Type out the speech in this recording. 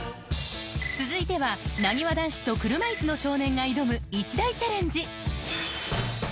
続いてはなにわ男子と車いすの少年が挑む一大チャレンジ